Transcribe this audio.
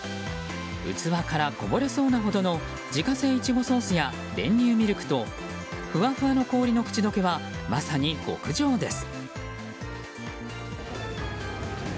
器からこぼれそうなほどの自家製イチゴソースや練乳ミルクとふわふわの氷の口どけはまさに極上です。